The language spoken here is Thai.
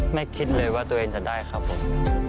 คิดเลยว่าตัวเองจะได้ครับผม